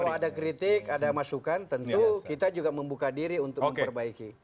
kalau ada kritik ada masukan tentu kita juga membuka diri untuk memperbaiki